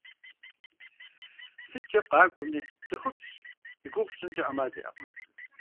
СыткӀэ къакӀуэми цӀыхубзщ игугъу пщӀынкӀэ Ӏэмал иӀэкъым.